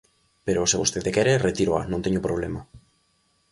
Pero se vostede quere, retíroa, non teño problema.